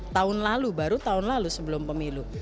tahun lalu baru tahun lalu sebelum pemilu